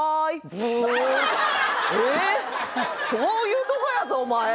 ブーンって「ええ！？そういうとこやぞお前！」